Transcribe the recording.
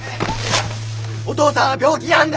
お父さんは病気なんだ！